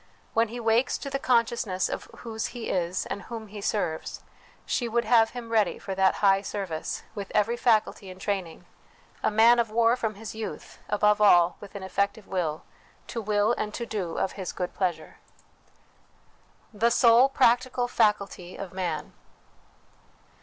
When he wakes to the conscious ness of whose he is and whom he serves, she would have him ready for that high service, with every faculty in training a man of war from his youth ; above all, with an effective will, to will and to do of His good pleasure. The sole Practical Faculty of Man.